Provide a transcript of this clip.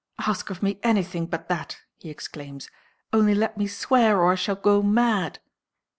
"Ask of me anything but that!" he exclaims; "only let me swear, or I shall go mad!"